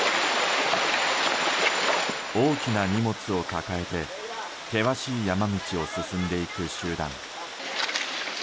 大きな荷物を抱えて険しい山道を進んでいく集団。